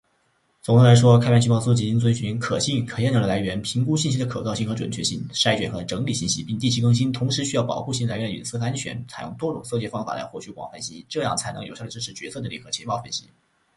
总的来说，开源情报搜集应该遵循可信、可验证的来源，评估信息的可靠性和准确性，筛选和整理信息，并定期更新。同时，需要保护信息来源的隐私和安全，并采用多种搜集方法来获取广泛的信息。这样才能有效地支持决策制定和情报分析。